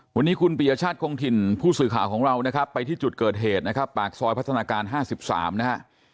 วันนี้คุณปียชาติคงถิ่นผู้สื่อข่าวของเรานะครับไปที่จุดเกิดเหตุนะครับปากซอยพัฒนาการ๕๓นะฮะ